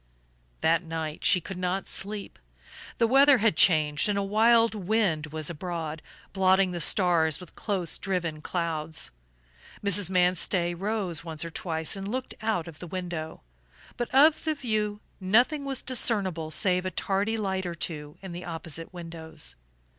That night she could not sleep. The weather had changed and a wild wind was abroad, blotting the stars with close driven clouds. Mrs. Manstey rose once or twice and looked out of the window; but of the view nothing was discernible save a tardy light or two in the opposite windows.